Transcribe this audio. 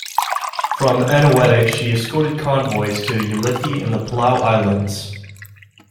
From Eniwetok she escorted convoys to Ulithi and the Palau Islands.